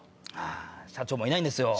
あぁ社長もいないんですよ。